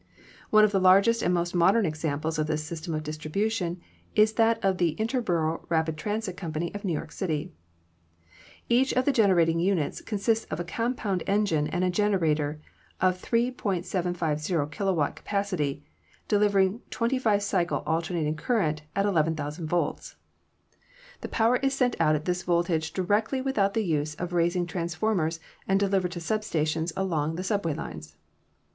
One of the largest and most modern examples of this system of distribution is that of the Interboro Rapid Transit Co. of New York City. Each of the generating units consists of a compound en gine and a generator of 3.750 kw. capacity, deliv ering 25 cycle alternating current at 11,000 volts. The 216 ELECTRICITY power is sent out at this voltage directly without the use of raising transformers and delivered to sub stations along the subway lines.